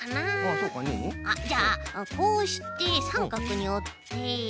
じゃあこうしてさんかくにおって。